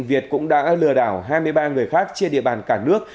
việt cũng đã lừa đảo hai mươi ba người khác trên địa bàn cả nước